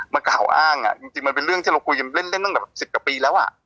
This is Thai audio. มากล่าวอ้างอ่ะจริงจริงมันเป็นเรื่องที่เราคุยกันเล่นเล่นตั้งแต่สิบกว่าปีแล้วอ่ะ